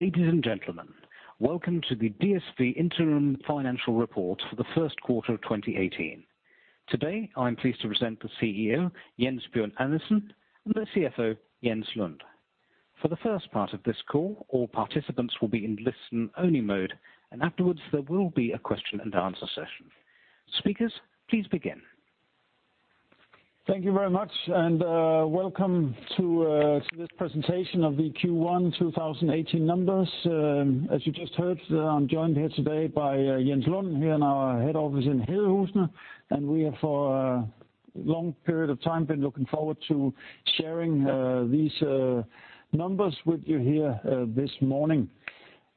Ladies and gentlemen, welcome to the DSV Interim Financial Report for the first quarter of 2018. Today, I am pleased to present the CEO, Jens Bjørn Andersen, and the CFO, Jens Lund. For the first part of this call, all participants will be in listen-only mode, and afterwards there will be a question-and-answer session. Speakers, please begin. Thank you very much, and welcome to this presentation of the Q1 2018 numbers. As you just heard, I am joined here today by Jens Lund here in our head office in Hedehusene, and we have for a long period of time been looking forward to sharing these numbers with you here this morning.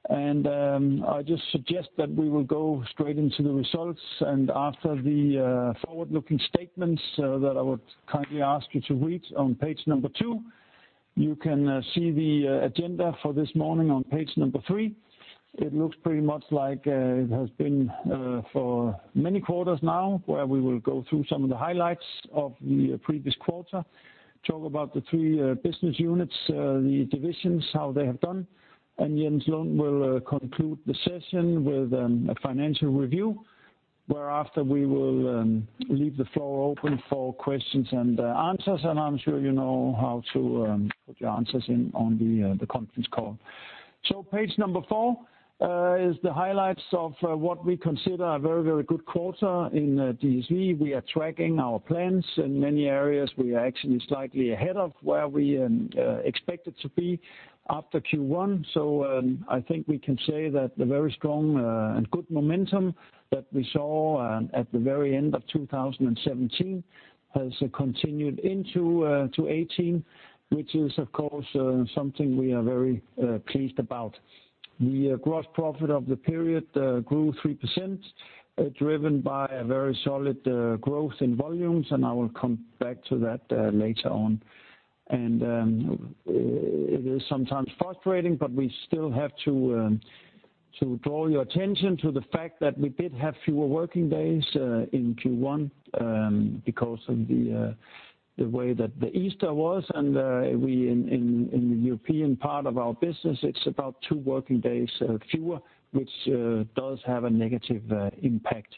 I just suggest that we will go straight into the results. After the forward-looking statements that I would kindly ask you to read on page number two, you can see the agenda for this morning on page number three. It looks pretty much like it has been for many quarters now, where we will go through some of the highlights of the previous quarter, talk about the three business units, the divisions, how they have done, and Jens Lund will conclude the session with a financial review, whereafter we will leave the floor open for questions-and-answers. I am sure you know how to put your answers in on the conference call. Page number four is the highlights of what we consider a very good quarter in DSV. We are tracking our plans in many areas. We are actually slightly ahead of where we expected to be after Q1. I think we can say that the very strong and good momentum that we saw at the very end of 2017 has continued into 2018, which is, of course, something we are very pleased about. The gross profit of the period grew 3%, driven by a very solid growth in volumes, and I will come back to that later on. It is sometimes frustrating, but we still have to draw your attention to the fact that we did have fewer working days in Q1 because of the way that the Easter was, and we in the European part of our business, it is about two working days fewer, which does have a negative impact.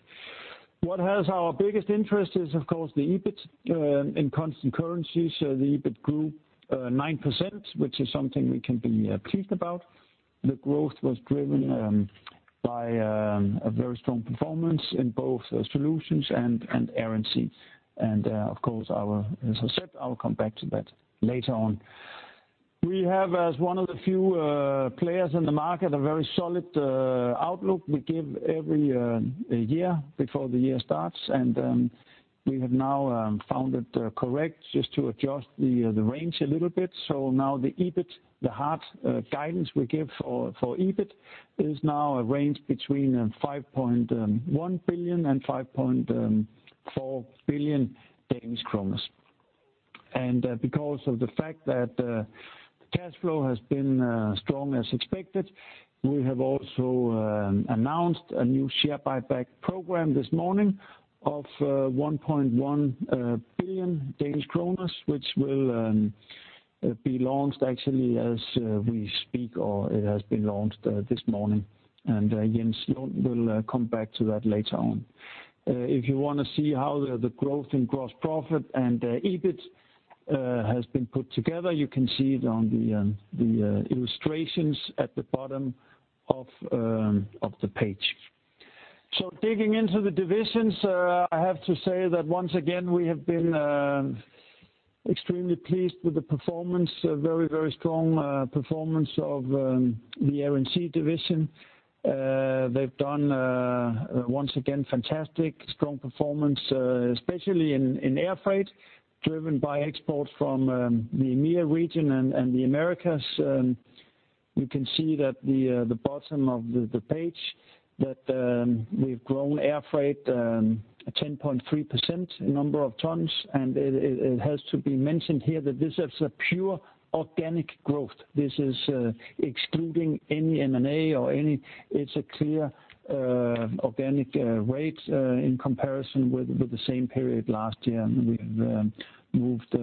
What has our biggest interest is, of course, the EBIT in constant currencies. The EBIT grew 9%, which is something we can be pleased about. The growth was driven by a very strong performance in both Solutions and Air & Sea. Of course, as I said, I will come back to that later on. We have, as one of the few players in the market, a very solid outlook we give every year before the year starts. We have now found it correct just to adjust the range a little bit. Now the EBIT, the hard guidance we give for EBIT, is now a range between 5.1 billion and 5.4 billion Danish kroner. Because of the fact that the cash flow has been strong as expected, we have also announced a new share buyback program this morning of 1.1 billion Danish kroner, which will be launched actually as we speak, or it has been launched this morning. Jens Lund will come back to that later on. If you want to see how the growth in gross profit and EBIT has been put together, you can see it on the illustrations at the bottom of the page. Digging into the divisions, I have to say that once again, we have been extremely pleased with the performance, a very strong performance of the Air & Sea division. They've done, once again, fantastic, strong performance, especially in air freight, driven by exports from the EMEA region and the Americas. You can see that the bottom of the page that we've grown air freight 10.3% in number of tons, and it has to be mentioned here that this is a pure organic growth. This is excluding any M&A. It's a clear organic rate in comparison with the same period last year. We've moved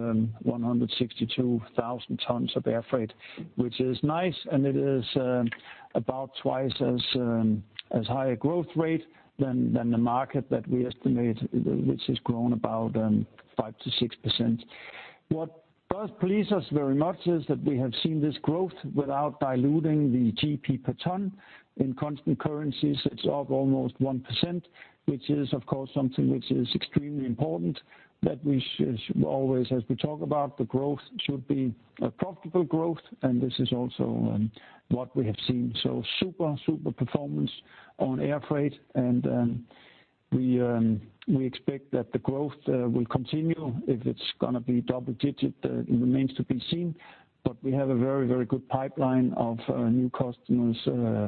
162,000 tons of air freight, which is nice, and it is about twice as high a growth rate than the market that we estimate, which has grown about 5%-6%. What does please us very much is that we have seen this growth without diluting the GP per ton. In constant currencies, it's up almost 1%, which is, of course, something which is extremely important, that we always, as we talk about, the growth should be a profitable growth, and this is also what we have seen. Super performance on air freight, and we expect that the growth will continue. If it's going to be double-digit, it remains to be seen. We have a very good pipeline of new customers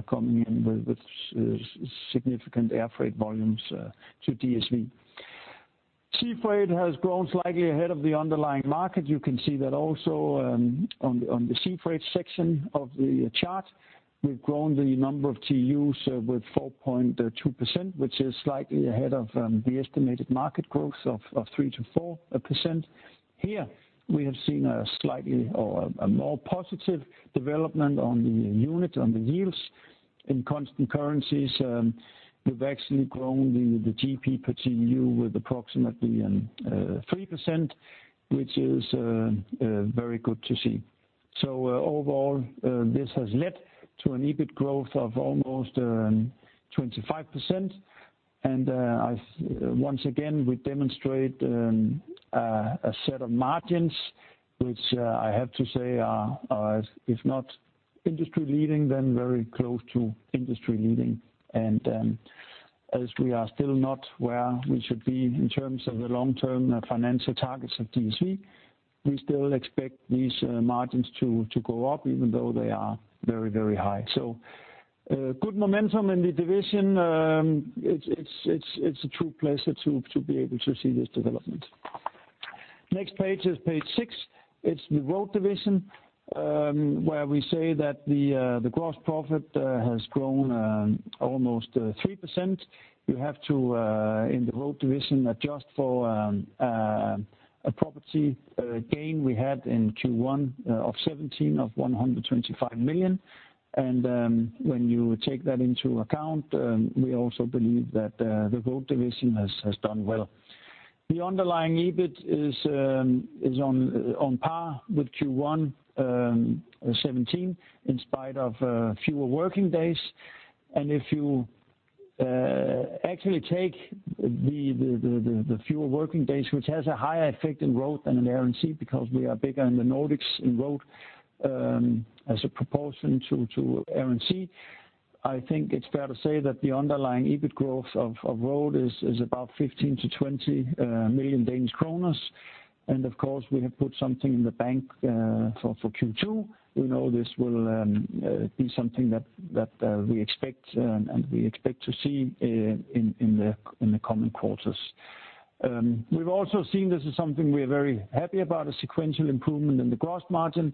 coming in with significant air freight volumes to DSV. Sea freight has grown slightly ahead of the underlying market. You can see that also on the sea freight section of the chart. We've grown the number of TEUs with 4.2%, which is slightly ahead of the estimated market growth of 3%-4%. Here, we have seen a slightly or a more positive development on the unit, on the yields. In constant currencies, we've actually grown the GP per TEU with approximately 3%, which is very good to see. Overall, this has led to an EBIT growth of almost 25%. Once again, we demonstrate a set of margins, which I have to say are, if not industry-leading, then very close to industry-leading. As we are still not where we should be in terms of the long-term financial targets of DSV, we still expect these margins to go up, even though they are very high. Good momentum in the division. It's a true pleasure to be able to see this development. Next page is page six. It's the Road division, where we say that the gross profit has grown almost 3%. You have to, in the Road division, adjust for a property gain we had in Q1 2017 of 125 million. When you take that into account, we also believe that the Road division has done well. The underlying EBIT is on par with Q1 2017, in spite of fewer working days. If you actually take the fewer working days, which has a higher effect in Road than in Air & Sea, because we are bigger in the Nordics in Road as a proportion to Air & Sea, I think it is fair to say that the underlying EBIT growth of Road is about 15 million-20 million Danish kroner. Of course, we have put something in the bank for Q2. We know this will be something that we expect, and we expect to see in the coming quarters. We have also seen, this is something we are very happy about, a sequential improvement in the gross margin.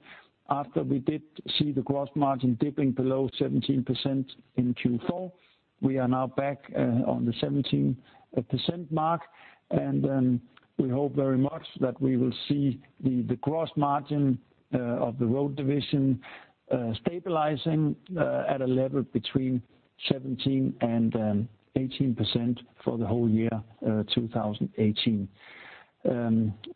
After we did see the gross margin dipping below 17% in Q4, we are now back on the 17% mark, and we hope very much that we will see the gross margin of the Road division stabilizing at a level between 17%-18% for the whole year 2018.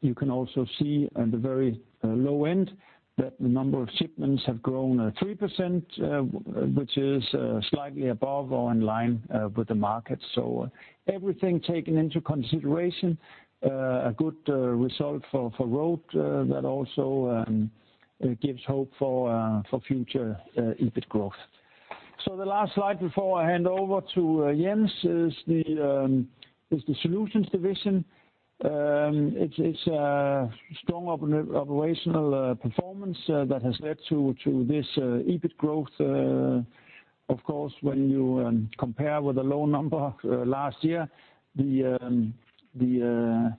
You can also see at the very low end that the number of shipments have grown 3%, which is slightly above or in line with the market. Everything taken into consideration, a good result for Road that also gives hope for future EBIT growth. The last slide before I hand over to Jens is the Solutions division. It is a strong operational performance that has led to this EBIT growth. Of course, when you compare with a low number last year, the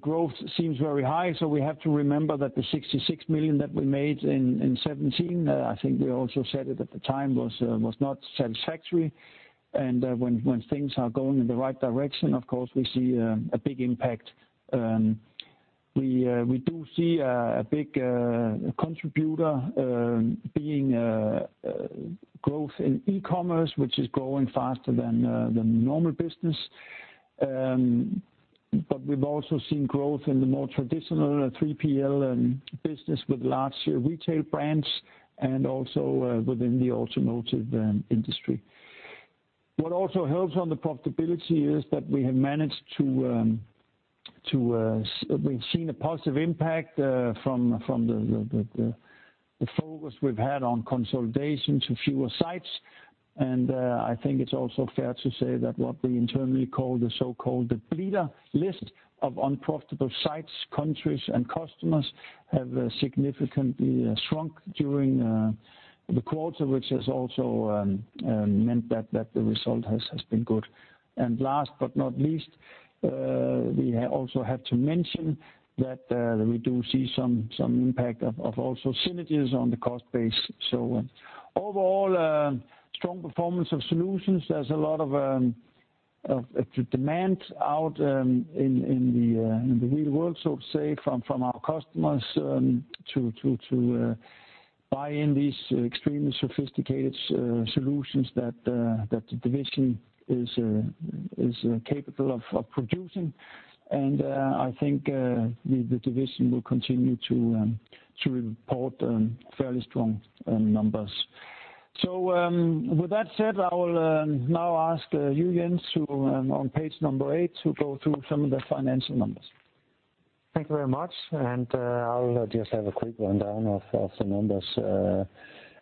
growth seems very high, so we have to remember that the 66 million that we made in 2017, I think we also said it at the time, was not satisfactory. When things are going in the right direction, of course, we see a big impact. We do see a big contributor being growth in e-commerce, which is growing faster than the normal business. But we have also seen growth in the more traditional 3PL business with large retail brands and also within the automotive industry. What also helps on the profitability is that we have seen a positive impact from the focus we have had on consolidation to fewer sites. I think it is also fair to say that what we internally call the so-called bleeder list of unprofitable sites, countries, and customers have significantly shrunk during the quarter, which has also meant that the result has been good. Last but not least, we also have to mention that we do see some impact of also synergies on the cost base. Overall, strong performance of Solutions. There is a lot of demand out in the real world, so say, from our customers to buy in these extremely sophisticated solutions that the division is capable of producing. I think the division will continue to report fairly strong numbers. With that said, I will now ask you, Jens, on page number eight, to go through some of the financial numbers. Thank you very much. I'll just have a quick rundown of the numbers.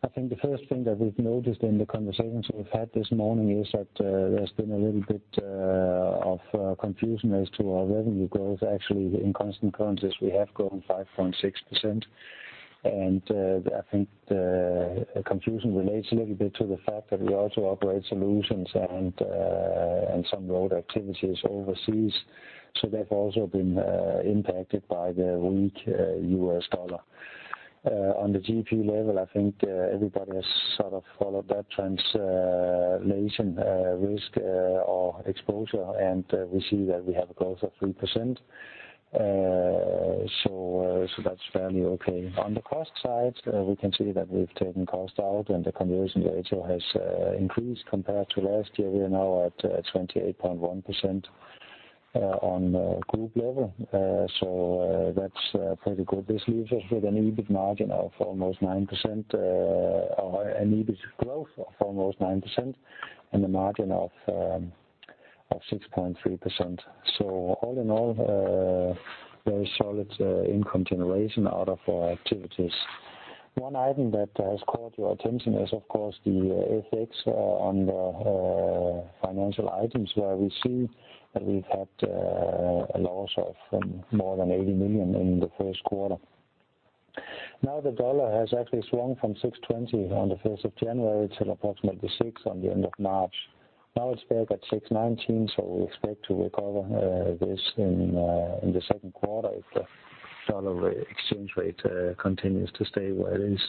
I think the first thing that we've noticed in the conversations we've had this morning is that there's been a little bit of confusion as to our revenue growth. Actually, in constant currencies, we have grown 5.6%. I think the confusion relates a little bit to the fact that we also operate Solutions and some Road activities overseas, so they've also been impacted by the weak U.S. dollar. On the GP level, I think everybody has sort of followed that trend Nation risk or exposure. We see that we have a growth of 3%. That's fairly okay. On the cost side, we can see that we've taken cost out. The conversion ratio has increased compared to last year. We are now at 28.1% on a group level. That's pretty good. This leaves us with an EBIT margin of almost 9% or an EBIT growth of almost 9% and a margin of 6.3%. All in all, very solid income generation out of our activities. One item that has caught your attention is, of course, the FX on the financial items, where we see that we've had a loss of more than 80 million in the first quarter. The dollar has actually swung from $6.20 on the 1st of January to approximately $6.00 on the end of March. It's back at $6.19. We expect to recover this in the second quarter if the dollar exchange rate continues to stay where it is.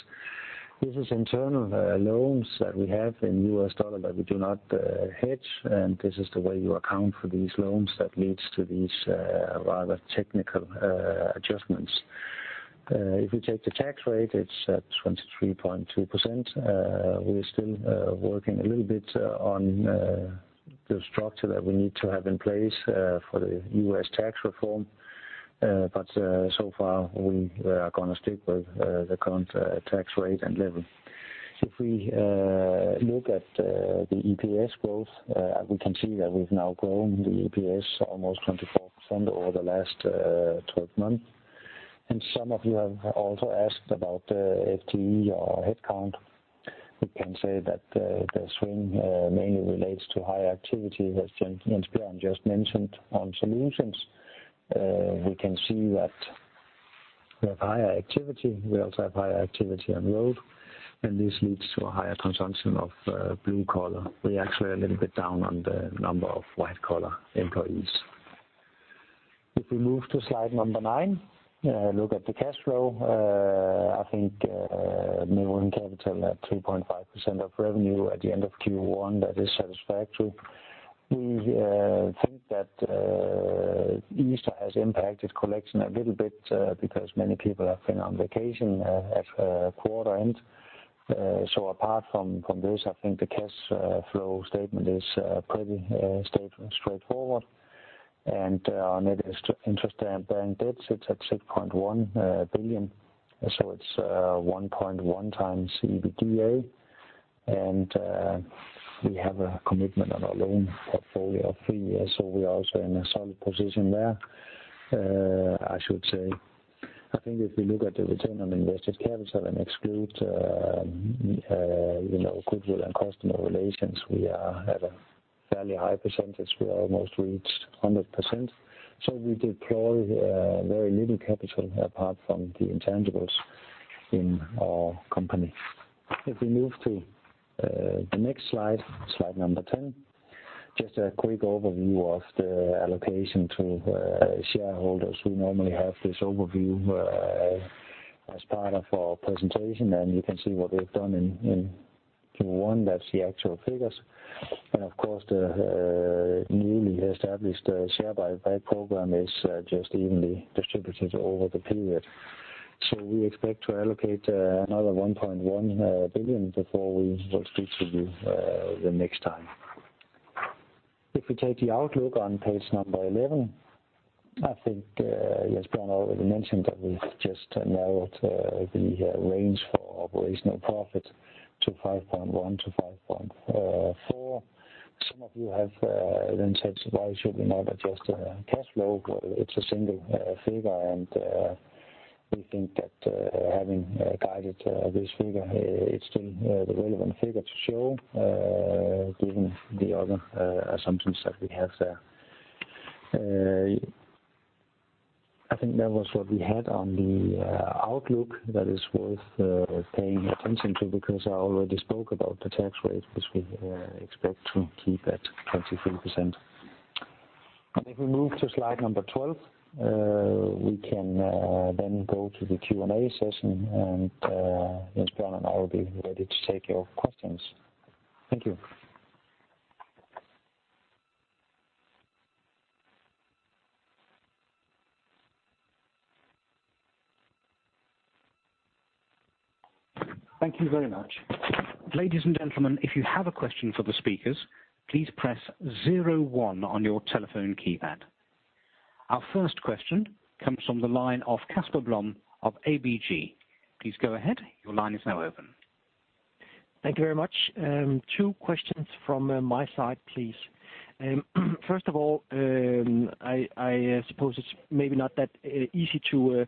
This is internal loans that we have in U.S. dollar that we do not hedge. This is the way you account for these loans that leads to these rather technical adjustments. If we take the tax rate, it's at 23.2%. We're still working a little bit on the structure that we need to have in place for the U.S. tax reform. We are going to stick with the current tax rate and level. If we look at the EPS growth, we can see that we've now grown the EPS almost 24% over the last 12 months. Some of you have also asked about FTE or head count. We can say that the swing mainly relates to higher activity, as Jens just mentioned on Solutions. We can see that we have higher activity. We also have higher activity on Road. This leads to a higher consumption of blue collar. We're actually a little bit down on the number of white-collar employees. If we move to slide number nine, look at the cash flow. I think net working capital at 3.5% of revenue at the end of Q1, that is satisfactory. We think that Easter has impacted collection a little bit because many people have been on vacation at quarter end. Apart from this, I think the cash flow statement is pretty straightforward. Our net interest-bearing debt sits at DKK 6.1 billion. It's 1.1 times EBITDA. We have a commitment on our loan portfolio of three years. We are also in a solid position there, I should say. I think if we look at the return on invested capital and exclude goodwill and customer relations, we are at a fairly high percentage. We almost reached 100%. We deploy very little capital apart from the intangibles in our company. If we move to the next slide number 10, just a quick overview of the allocation to shareholders. We normally have this overview as part of our presentation. You can see what we've done in Q1. That's the actual figures. Of course, the newly established share buyback program is just evenly distributed over the period. We expect to allocate another 1.1 billion before we will speak to you the next time. If we take the outlook on page number 11, I think Jens already mentioned that we've just narrowed the range for operational profit to 5.1-5.4. Some of you have then said, "Why should we not adjust the cash flow?" Well, it's a single figure. We think that having guided this figure, it's still the relevant figure to show, given the other assumptions that we have there. I think that was what we had on the outlook that is worth paying attention to because I already spoke about the tax rate, which we expect to keep at 23%. If we move to slide number 12, we can then go to the Q&A session. Jens and I will be ready to take your questions. Thank you. Thank you very much. Ladies and gentlemen, if you have a question for the speakers, please press 01 on your telephone keypad. Our first question comes from the line of Casper Blom of ABG. Please go ahead. Your line is now open. Thank you very much. Two questions from my side, please. First of all, I suppose it's maybe not that easy to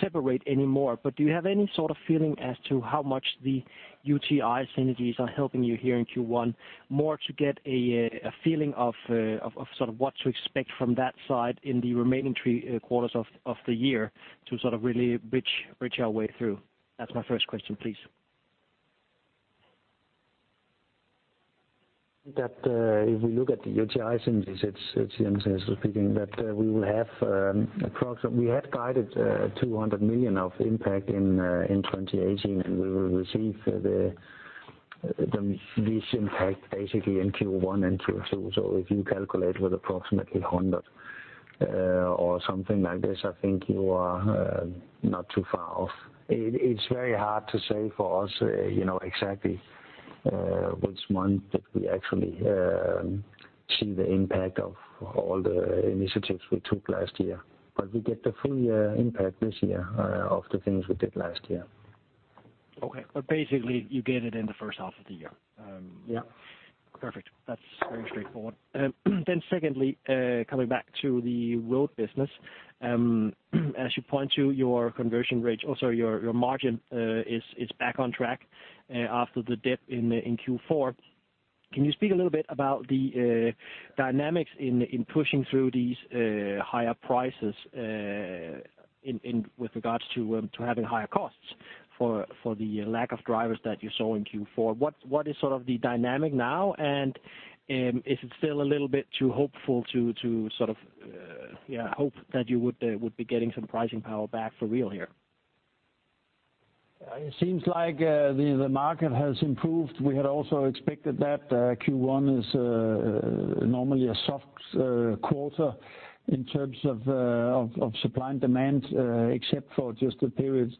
separate anymore, but do you have any sort of feeling as to how much the UTi synergies are helping you here in Q1? More to get a feeling of sort of what to expect from that side in the remaining three quarters of the year to sort of really bridge our way through. That's my first question, please. if we look at the UTi synergies, it is Jens speaking, that we will have approximately, we had guided 200 million of impact in 2018, we will receive the The impact basically in Q1 and Q2. If you calculate with approximately 100 or something like this, I think you are not too far off. It is very hard to say for us exactly which month that we actually see the impact of all the initiatives we took last year. We get the full impact this year of the things we did last year. Okay. Basically you get it in the first half of the year. Yeah. Perfect. That is very straightforward. Secondly, coming back to the Road business. As you point to your conversion rates, also your margin is back on track after the dip in Q4. Can you speak a little bit about the dynamics in pushing through these higher prices with regards to having higher costs for the lack of drivers that you saw in Q4? What is sort of the dynamic now, is it still a little bit too hopeful to hope that you would be getting some pricing power back for real here? It seems like the market has improved. We had also expected that Q1 is normally a soft quarter in terms of supply and demand, except for just the period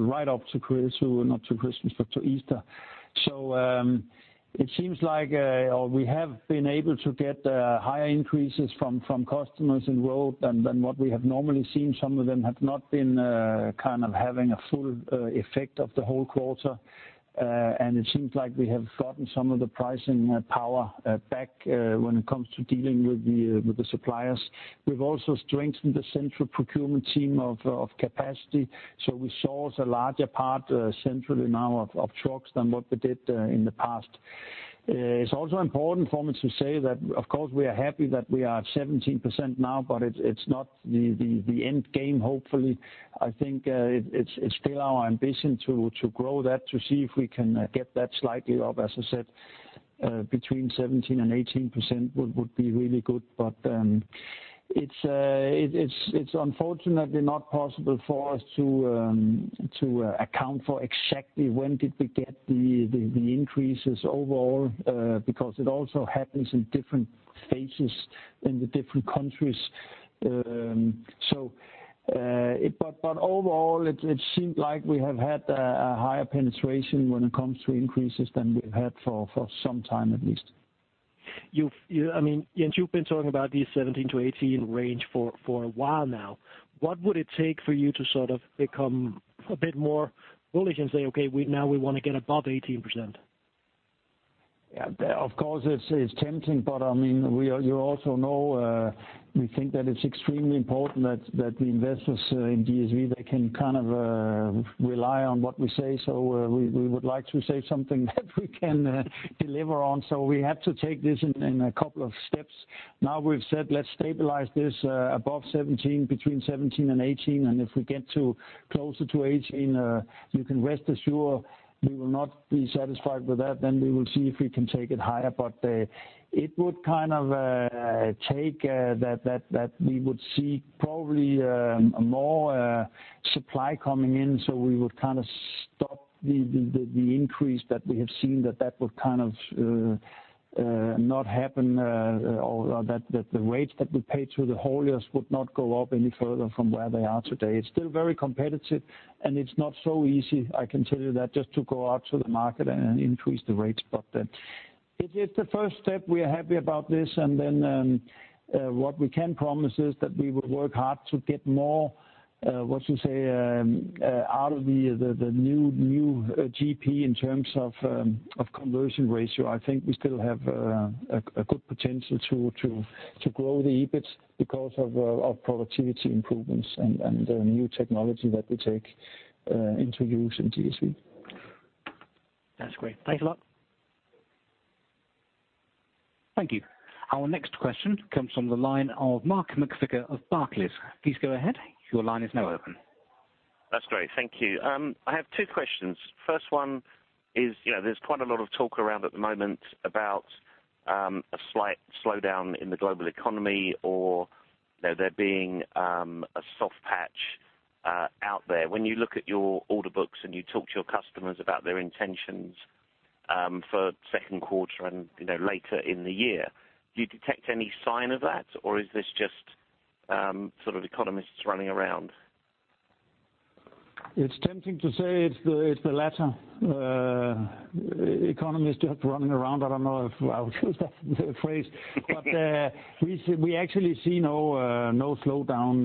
right up to Christmas, not to Christmas, but to Easter. It seems like we have been able to get higher increases from customers in Road than what we have normally seen. Some of them have not been having a full effect of the whole quarter. It seems like we have gotten some of the pricing power back when it comes to dealing with the suppliers. We've also strengthened the central procurement team of capacity. We source a larger part centrally now of trucks than what we did in the past. It's also important for me to say that, of course, we are happy that we are at 17% now, but it's not the end game, hopefully. I think it's still our ambition to grow that, to see if we can get that slightly up. As I said, between 17% and 18% would be really good. It's unfortunately not possible for us to account for exactly when did we get the increases overall, because it also happens in different phases in the different countries. Overall, it seemed like we have had a higher penetration when it comes to increases than we've had for some time, at least. Jens, you've been talking about these 17-18 range for a while now. What would it take for you to sort of become a bit more bullish and say, "Okay, now we want to get above 18%? Of course, it's tempting, but you also know we think that it's extremely important that the investors in DSV, they can kind of rely on what we say. We would like to say something that we can deliver on. We have to take this in a couple of steps. Now we've said, let's stabilize this above 17%, between 17% and 18%, and if we get closer to 18%, you can rest assured we will not be satisfied with that. We will see if we can take it higher. It would take that we would see probably more supply coming in, so we would kind of stop the increase that we have seen, that that would kind of not happen, or that the rates that we pay to the hauliers would not go up any further from where they are today. It's still very competitive, and it's not so easy, I can tell you that, just to go out to the market and increase the rates. It is the first step. We are happy about this. What we can promise is that we will work hard to get more, what you say, out of the new GP in terms of conversion ratio. I think we still have a good potential to grow the EBIT because of productivity improvements and the new technology that we take into use in DSV. That's great. Thanks a lot. Thank you. Our next question comes from the line of Mark McVicar of Barclays. Please go ahead. Your line is now open. That's great. Thank you. I have two questions. First one is, there's quite a lot of talk around at the moment about a slight slowdown in the global economy or there being a soft patch out there. When you look at your order books and you talk to your customers about their intentions for second quarter and later in the year, do you detect any sign of that, or is this just sort of economists running around? It's tempting to say it's the latter. Economists just running around. I don't know if I would use that phrase. We actually see no slowdown.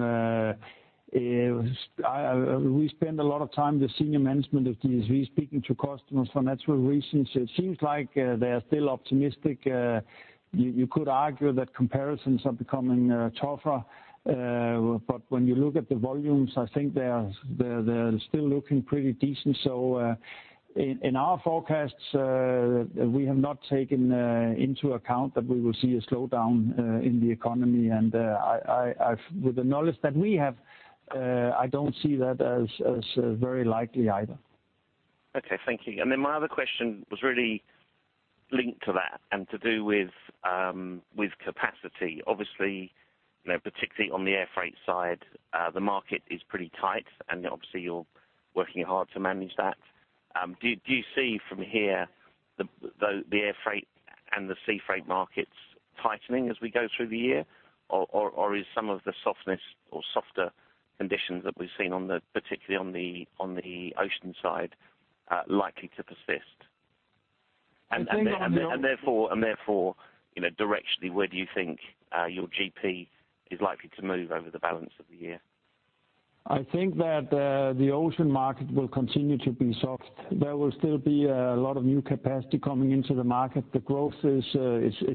We spend a lot of time, the senior management of DSV, speaking to customers for natural reasons. It seems like they are still optimistic. You could argue that comparisons are becoming tougher. But when you look at the volumes, I think they are still looking pretty decent. In our forecasts, we have not taken into account that we will see a slowdown in the economy. With the knowledge that we have, I don't see that as very likely either. Okay, thank you. My other question was really Linked to that and to do with capacity, obviously, particularly on the air freight side, the market is pretty tight, and obviously, you're working hard to manage that. Do you see from here the air freight and the sea freight markets tightening as we go through the year? Or is some of the softness or softer conditions that we've seen, particularly on the ocean side, likely to persist? I think- Therefore, directionally, where do you think your GP is likely to move over the balance of the year? I think that the ocean market will continue to be soft. There will still be a lot of new capacity coming into the market. The growth is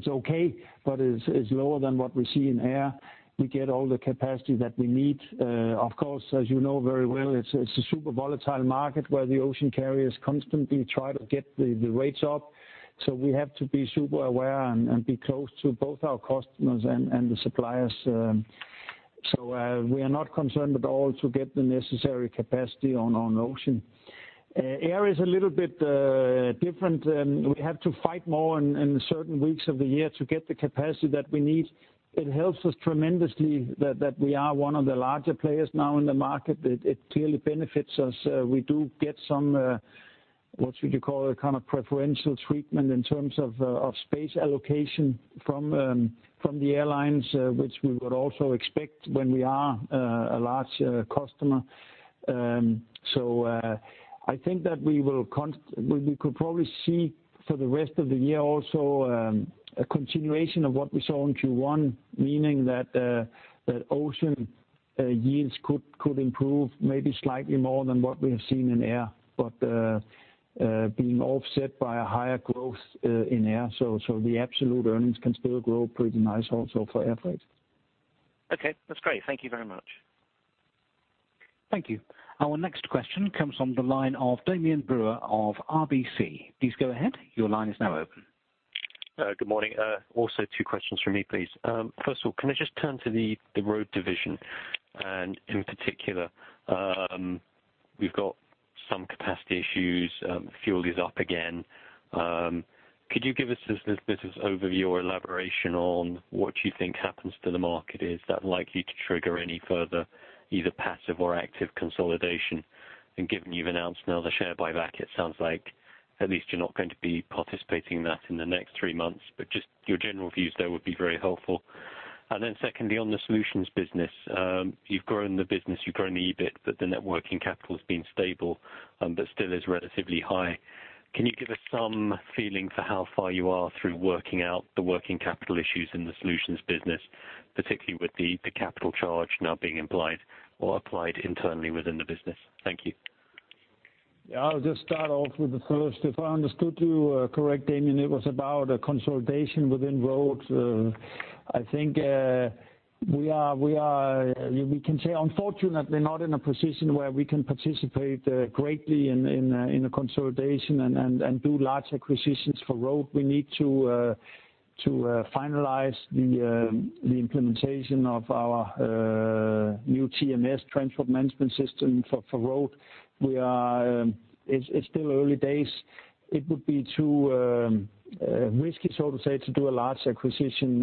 okay, but is lower than what we see in air. We get all the capacity that we need. Of course, as you know very well, it's a super volatile market where the ocean carriers constantly try to get the rates up. We have to be super aware and be close to both our customers and the suppliers. We are not concerned at all to get the necessary capacity on ocean. Air is a little bit different. We have to fight more in certain weeks of the year to get the capacity that we need. It helps us tremendously that we are one of the larger players now in the market. It clearly benefits us. We do get some, what should you call it, preferential treatment in terms of space allocation from the airlines, which we would also expect when we are a large customer. I think that we could probably see for the rest of the year also, a continuation of what we saw in Q1, meaning that ocean yields could improve maybe slightly more than what we have seen in air, but being offset by a higher growth in air. The absolute earnings can still grow pretty nice also for air freight. Okay. That's great. Thank you very much. Thank you. Our next question comes from the line of Damian Brewer of RBC. Please go ahead. Your line is now open. Good morning. Also, two questions from me, please. First of all, can I just turn to the Road division and in particular, we've got some capacity issues. Fuel is up again. Could you give us a business overview or elaboration on what you think happens to the market? Is that likely to trigger any further, either passive or active consolidation? Given you've announced now the share buyback, it sounds like at least you're not going to be participating in that in the next three months. Just your general views there would be very helpful. Secondly, on the Solutions business, you've grown the business, you've grown the EBIT, but the net working capital has been stable, but still is relatively high. Can you give us some feeling for how far you are through working out the working capital issues in the Solutions business, particularly with the capital charge now being implied or applied internally within the business? Thank you. I'll just start off with the first. If I understood you correctly, Damian, it was about a consolidation within Road. I think we can say, unfortunately, not in a position where we can participate greatly in a consolidation and do large acquisitions for Road. We need to finalize the implementation of our new TMS, transport management system, for Road. It's still early days. It would be too risky, so to say, to do a large acquisition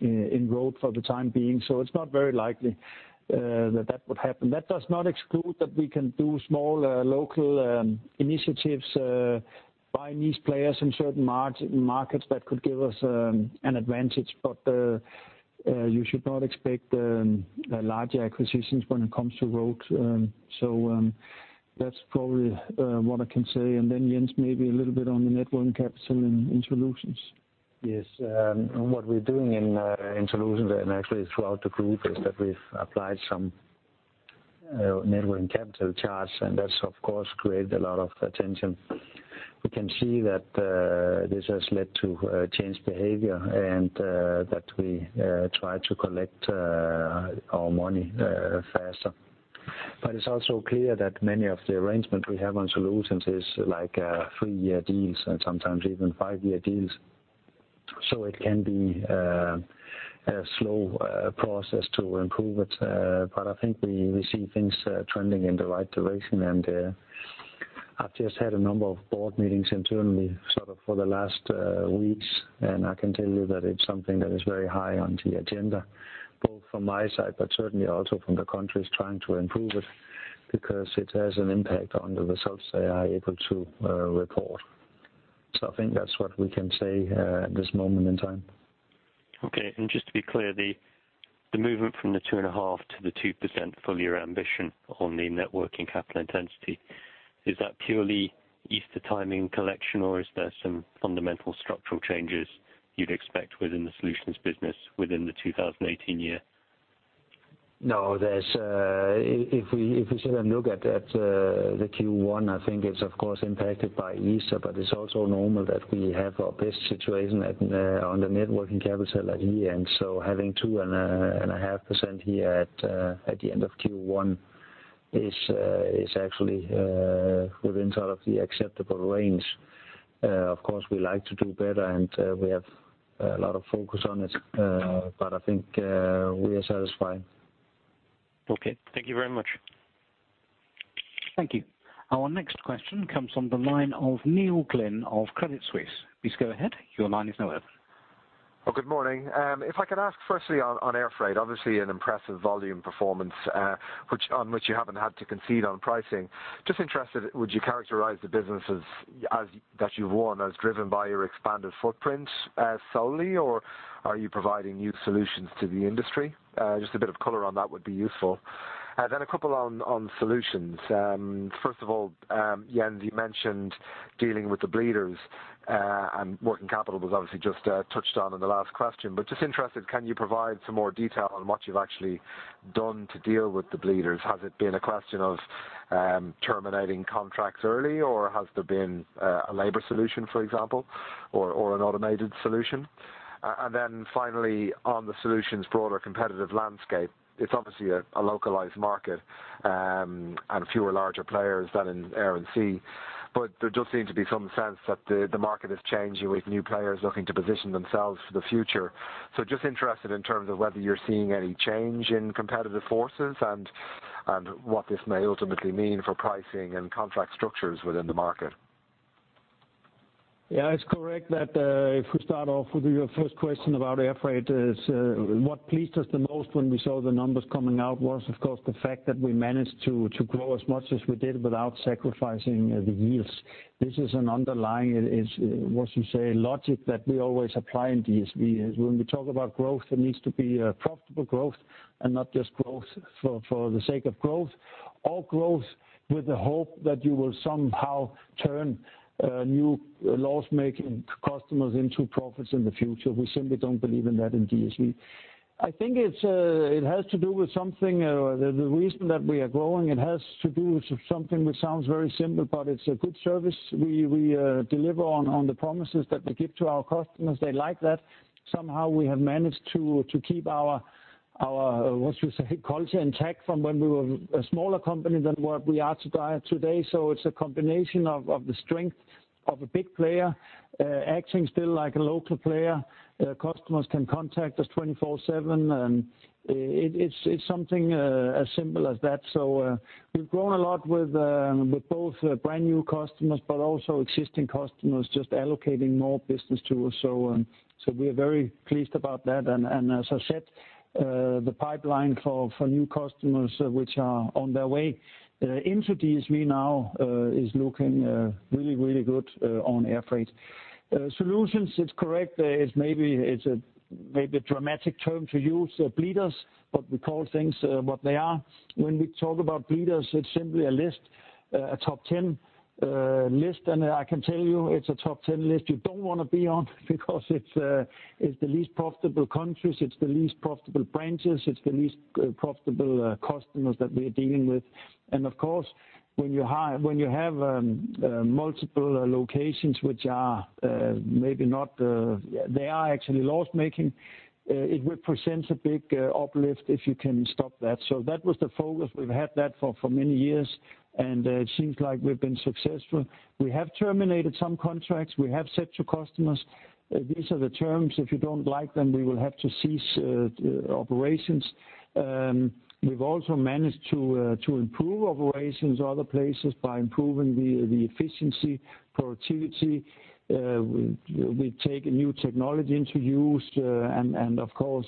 in Road for the time being. It's not very likely that that would happen. That does not exclude that we can do small local initiatives, buy niche players in certain markets that could give us an advantage. You should not expect large acquisitions when it comes to Road. That's probably what I can say. Jens, maybe a little bit on the net working capital in Solutions. Yes. What we're doing in Solutions and actually throughout the group is that we've applied some net working capital charge, and that's, of course, created a lot of attention. We can see that this has led to a change in behavior and that we try to collect our money faster. It's also clear that many of the arrangements we have on Solutions is like three-year deals and sometimes even five-year deals. It can be a slow process to improve it. I think we see things trending in the right direction. I've just had a number of board meetings internally for the last weeks, I can tell you that it's something that is very high on the agenda, both from my side, certainly also from the countries trying to improve it because it has an impact on the results they are able to report. I think that's what we can say at this moment in time. Okay. Just to be clear, the movement from the 2.5% to the 2% full-year ambition on the net working capital intensity, is that purely Easter timing collection, or is there some fundamental structural changes you'd expect within the Solutions business within the 2018 year? No. If we look at the Q1, I think it's, of course, impacted by Easter. It's also normal that we have our best situation on the net working capital at year-end. Having 2.5% here at the end of Q1 is actually within the acceptable range. Of course, we like to do better. We have a lot of focus on it. I think we are satisfied. Okay. Thank you very much. Thank you. Our next question comes from the line of Neil Glynn of Credit Suisse. Please go ahead. Your line is now open. Good morning. If I could ask firstly on air freight, obviously an impressive volume performance on which you haven't had to concede on pricing. Just interested, would you characterize the businesses that you've won as driven by your expanded footprint solely, or are you providing new solutions to the industry? Just a bit of color on that would be useful. A couple on Solutions. First of all, Jens, you mentioned dealing with the bleeders, and working capital was obviously just touched on in the last question. Just interested, can you provide some more detail on what you've actually done to deal with the bleeders? Has it been a question of terminating contracts early, or has there been a labor solution, for example, or an automated solution? Finally, on the Solutions broader competitive landscape, it's obviously a localized market, and fewer larger players than in Air & Sea. There does seem to be some sense that the market is changing with new players looking to position themselves for the future. Just interested in terms of whether you're seeing any change in competitive forces and what this may ultimately mean for pricing and contract structures within the market. It's correct that if we start off with your first question about air freight is, what pleased us the most when we saw the numbers coming out was, of course, the fact that we managed to grow as much as we did without sacrificing the yields. This is an underlying, what you say, logic that we always apply in DSV is when we talk about growth, it needs to be a profitable growth and not just growth for the sake of growth. Growth with the hope that you will somehow turn new loss-making customers into profits in the future. We simply don't believe in that in DSV. I think it has to do with something, the reason that we are growing, it has to do with something which sounds very simple, but it's a good service we deliver on the promises that we give to our customers. They like that. Somehow we have managed to keep our culture intact from when we were a smaller company than what we are today. It's a combination of the strength of a big player acting still like a local player. Customers can contact us 24/7, and it's something as simple as that. We've grown a lot with both brand-new customers, but also existing customers just allocating more business to us. We are very pleased about that, and as I said, the pipeline for new customers, which are on their way into DSV now is looking really good on air freight. Solutions, it's correct. It's maybe a dramatic term to use, bleeders, but we call things what they are. When we talk about bleeders, it's simply a list, a top 10 list, and I can tell you it's a top 10 list you don't want to be on because it's the least profitable countries, it's the least profitable branches, it's the least profitable customers that we're dealing with. Of course, when you have multiple locations which are They are actually loss-making. It represents a big uplift if you can stop that. That was the focus. We've had that for many years, and it seems like we've been successful. We have terminated some contracts. We have said to customers, "These are the terms. If you don't like them, we will have to cease operations." We've also managed to improve operations other places by improving the efficiency, productivity. We take new technology into use, and of course,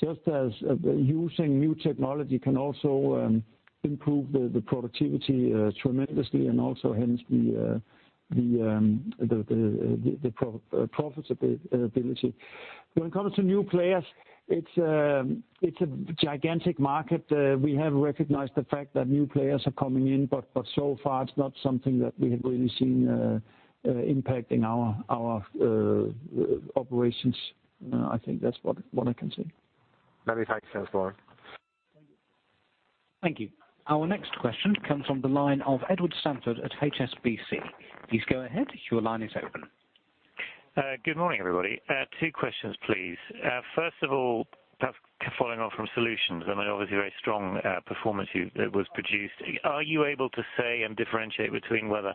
just as using new technology can also improve the productivity tremendously and also hence the profitability. When it comes to new players, it's a gigantic market. We have recognized the fact that new players are coming in, but so far it's not something that we have really seen impacting our operations. I think that's what I can say. Many thanks, Jens. Over. Thank you. Our next question comes from the line of Edward Stanford at HSBC. Please go ahead. Your line is open. Good morning, everybody. Two questions, please. First of all, perhaps following on from Solutions, I mean, obviously very strong performance you That was produced. Are you able to say and differentiate between whether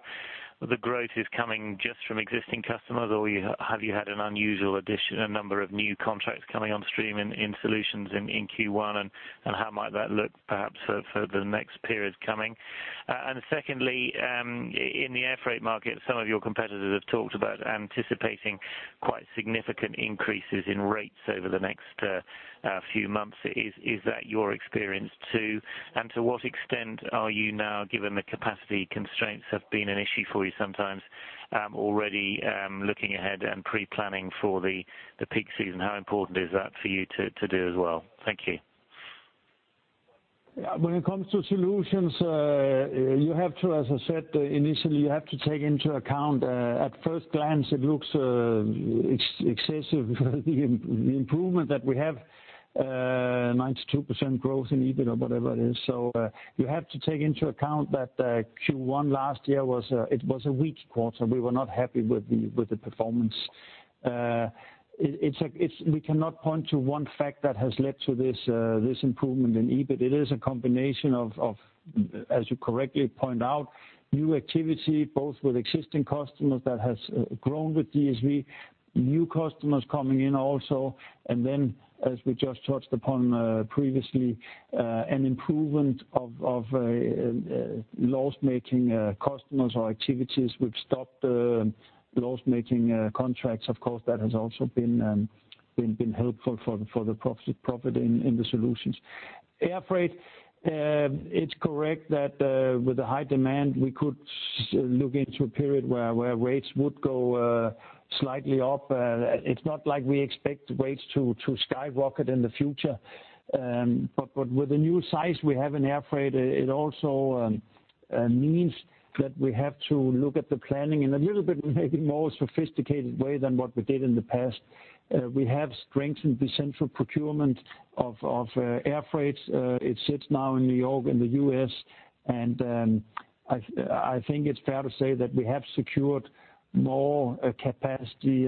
the growth is coming just from existing customers, or have you had an unusual addition, a number of new contracts coming on stream in Solutions in Q1, and how might that look perhaps for the next periods coming? Secondly, in the air freight market, some of your competitors have talked about anticipating quite significant increases in rates over the next few months. Is that your experience too? To what extent are you now, given the capacity constraints have been an issue for you sometimes, already looking ahead and pre-planning for the peak season. How important is that for you to do as well? Thank you. When it comes to Solutions, you have to, as I said initially, you have to take into account, at first glance, it looks excessive, the improvement that we have, 92% growth in EBIT or whatever it is. You have to take into account that Q1 last year, it was a weak quarter. We were not happy with the performance. We cannot point to one fact that has led to this improvement in EBIT. It is a combination of, as you correctly point out, new activity, both with existing customers that has grown with DSV, new customers coming in also, as we just touched upon previously, an improvement of loss-making customers or activities. We've stopped loss-making contracts, of course, that has also been helpful for the profit in the Solutions. Air freight, it's correct that with the high demand, we could look into a period where rates would go slightly up. It's not like we expect rates to skyrocket in the future. With the new size we have in air freight, it also means that we have to look at the planning in a little bit maybe more sophisticated way than what we did in the past. We have strengthened the central procurement of air freight. It sits now in New York, in the U.S., I think it's fair to say that we have secured more capacity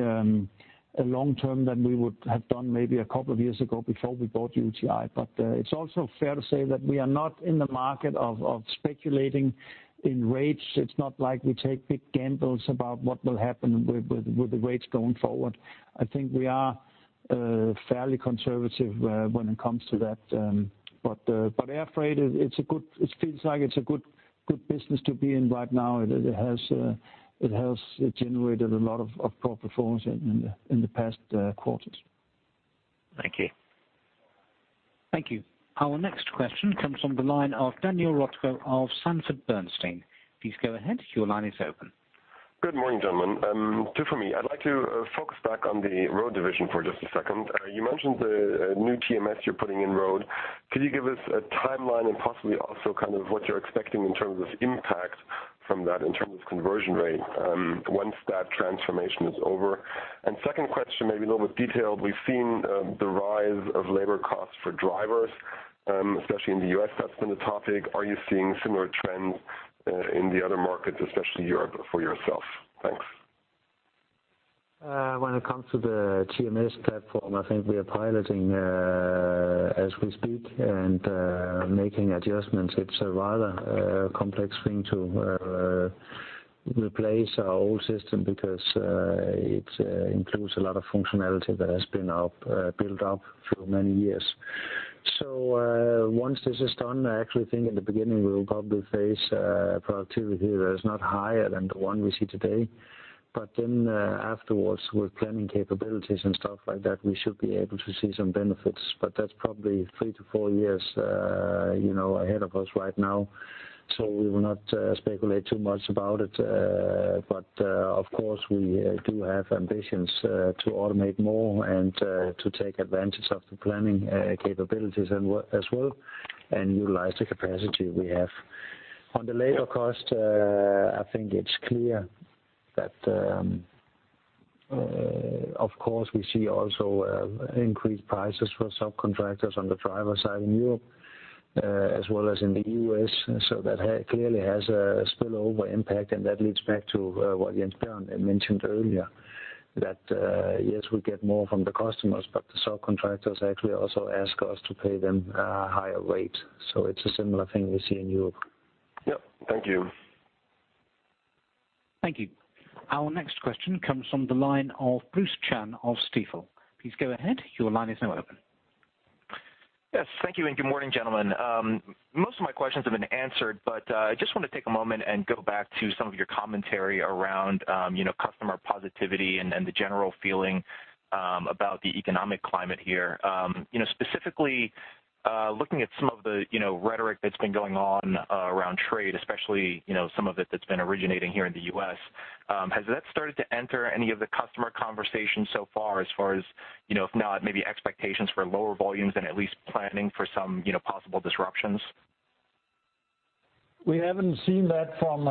long-term than we would have done maybe a couple of years ago before we bought UTi. It's also fair to say that we are not in the market of speculating in rates. It's not like we take big gambles about what will happen with the rates going forward. I think we are fairly conservative when it comes to that. Air freight, it feels like it's a good business to be in right now. It has generated a lot of proper performance in the past quarters. Thank you. Thank you. Our next question comes from the line of Daniel Roeska of Sanford C. Bernstein. Please go ahead. Your line is open. Good morning, gentlemen. Two for me. I'd like to focus back on the Road division for just a second. You mentioned the new TMS you're putting in Road. Could you give us a timeline and possibly also kind of what you're expecting in terms of impact from that, in terms of conversion rate, once that transformation is over? Second question, maybe a little bit detailed. We've seen the rise of labor costs for drivers, especially in the U.S., that's been a topic. Are you seeing similar trends in the other markets, especially Europe, for yourself? Thanks. When it comes to the TMS platform, I think we are piloting as we speak and making adjustments. It's a rather complex thing to replace our old system because it includes a lot of functionality that has been built up through many years. Once this is done, I actually think in the beginning we will probably face productivity that is not higher than the one we see today. Afterwards, with planning capabilities and stuff like that, we should be able to see some benefits. That's probably three to four years ahead of us right now. We will not speculate too much about it. Of course, we do have ambitions to automate more and to take advantage of the planning capabilities as well and utilize the capacity we have. On the labor cost, I think it's clear that, of course, we see also increased prices for subcontractors on the driver side in Europe, as well as in the U.S. That clearly has a spillover impact, and that leads back to what Jens Bjørn mentioned earlier, that yes, we get more from the customers, but the subcontractors actually also ask us to pay them a higher rate. It's a similar thing we see in Europe. Yep. Thank you. Thank you. Our next question comes from the line of Bruce Chan of Stifel. Please go ahead. Your line is now open. Yes. Thank you and good morning, gentlemen. Most of my questions have been answered, but I just want to take a moment and go back to some of your commentary around customer positivity and the general feeling about the economic climate here. Specifically, looking at some of the rhetoric that's been going on around trade, especially some of it that's been originating here in the U.S., has that started to enter any of the customer conversations so far as far as, if not, maybe expectations for lower volumes and at least planning for some possible disruptions? We haven't seen that from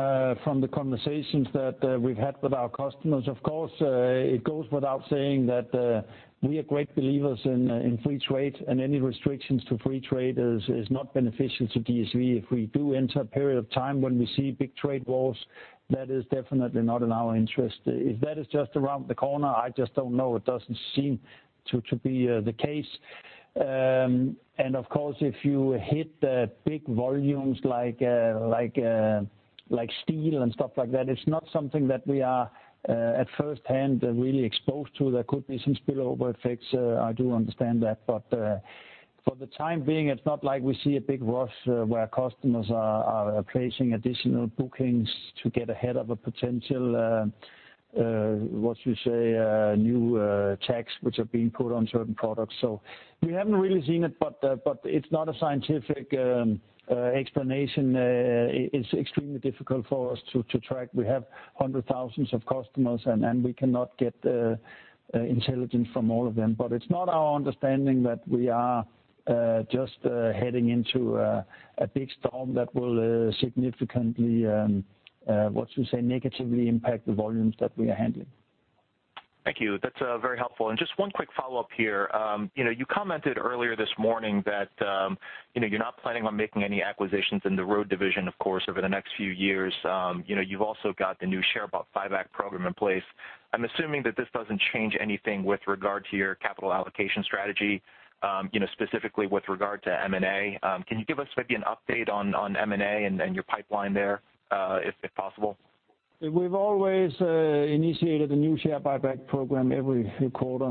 the conversations that we've had with our customers. Of course, it goes without saying that we are great believers in free trade. Any restrictions to free trade is not beneficial to DSV. If we do enter a period of time when we see big trade wars, that is definitely not in our interest. If that is just around the corner, I just don't know. It doesn't seem to be the case. Of course, if you hit the big volumes like steel and stuff like that, it's not something that we are at firsthand really exposed to. There could be some spillover effects, I do understand that. For the time being, it's not like we see a big rush where customers are placing additional bookings to get ahead of a potential, what you say, new tax which are being put on certain products. We haven't really seen it. It's not a scientific explanation. It's extremely difficult for us to track. We have hundred thousands of customers. We cannot get intelligence from all of them. It's not our understanding that we are just heading into a big storm that will significantly, what you say, negatively impact the volumes that we are handling. Thank you. That's very helpful. Just one quick follow-up here. You commented earlier this morning that you're not planning on making any acquisitions in the Road division, of course, over the next few years. You've also got the new share buyback program in place. I'm assuming that this doesn't change anything with regard to your capital allocation strategy. Specifically with regard to M&A. Can you give us maybe an update on M&A and your pipeline there, if possible? We've always initiated a new share buyback program every quarter.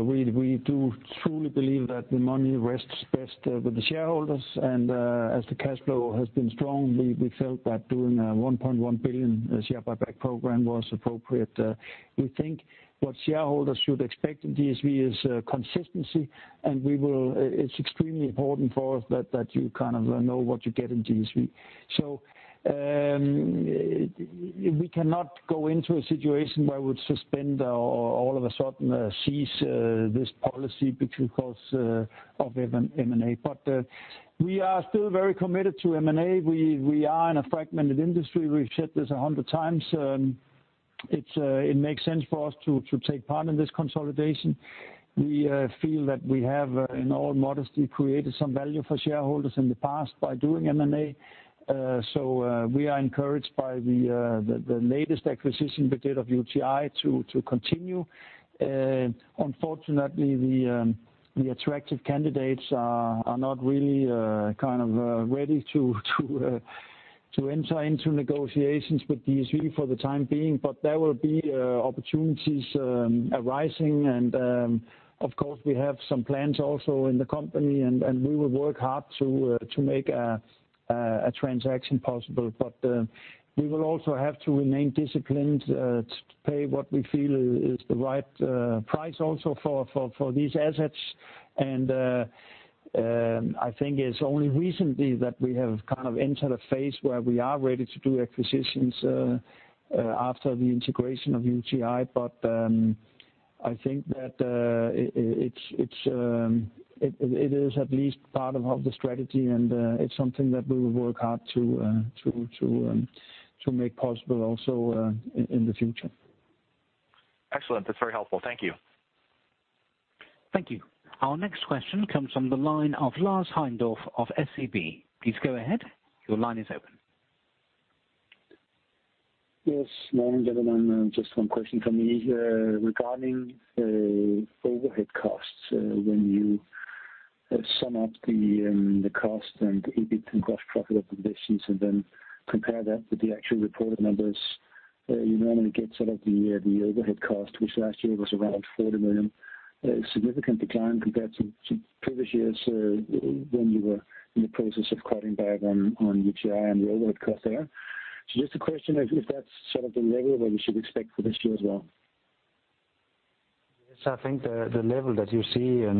We do truly believe that the money rests best with the shareholders, and as the cash flow has been strong, we felt that doing a 1.1 billion share buyback program was appropriate. We think what shareholders should expect in DSV is consistency, and it's extremely important for us that you know what you get in DSV. We cannot go into a situation where we would suspend or all of a sudden cease this policy because of M&A. We are still very committed to M&A. We are in a fragmented industry. We've said this 100 times. It makes sense for us to take part in this consolidation. We feel that we have, in all modesty, created some value for shareholders in the past by doing M&A. We are encouraged by the latest acquisition we did of UTi to continue. Unfortunately, the attractive candidates are not really ready to enter into negotiations with DSV for the time being, there will be opportunities arising, and of course, we have some plans also in the company, and we will work hard to make a transaction possible. We will also have to remain disciplined to pay what we feel is the right price also for these assets. I think it's only recently that we have entered a phase where we are ready to do acquisitions after the integration of UTi. I think that it is at least part of the strategy and it's something that we will work hard to make possible also in the future. Excellent. That's very helpful. Thank you. Thank you. Our next question comes from the line of Lars Heindorff of SEB. Please go ahead. Your line is open. Yes, morning, everyone. Just one question from me. Regarding the overhead costs, when you sum up the cost and EBIT and gross profit of divisions and then compare that with the actual reported numbers, you normally get sort of the overhead cost, which last year was around 40 million. A significant decline compared to previous years, when you were in the process of cutting back on UTi and the overhead cost there. Just a question, if that's sort of the level where we should expect for this year as well? Yes, I think the level that you see on